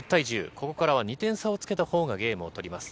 ここからは２点差をつけたほうがゲームを取ります。